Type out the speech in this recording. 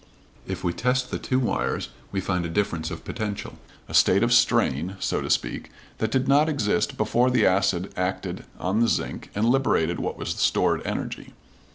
If we test the two wires we find a difference of potential a state of strain, so to speak that did not exist before the acid acted on the zinc and liberated what was stored energy.